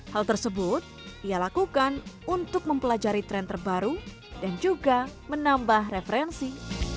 hal tersebut ia lakukan untuk mempelajari tren terbaru dan juga menambah referensi